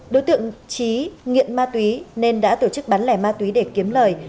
đối tượng trí nghiện ma túy nên đã tổ chức bán lẻ ma túy để kiếm lời